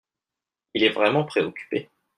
Il est vraiment préoccupé.